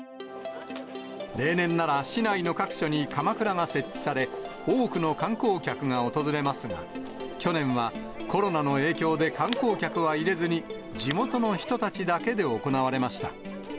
例年なら市内の各所にかまくらが設置され、多くの観光客が訪れますが、去年はコロナの影響で観光客は入れずに、地元の人たちだけで行われました。